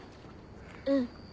うん。